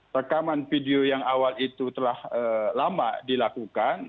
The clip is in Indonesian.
rekaman video yang awal itu telah lama dilakukan